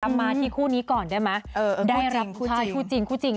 มาที่คู่นี้ก่อนได้ไหมได้รับคู่จริงคู่จริง